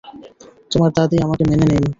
তোমার দাদী আমাকে মেনে নেয়নি।